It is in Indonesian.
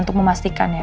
untuk memastikan ya